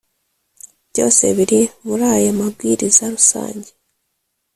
byose biri muri aya mabwiriza rusange